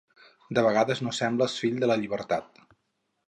De vegades no sembles fill de la llibertat.